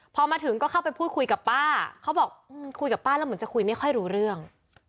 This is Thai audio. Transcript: พอมาถึงก็เข้าไปพูดคุยกับป้าเขาบอกคุยกับป้าแล้วเหมือนจะคุยไม่ค่อยรู้เรื่อง